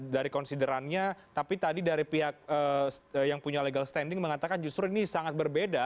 dari konsiderannya tapi tadi dari pihak yang punya legal standing mengatakan justru ini sangat berbeda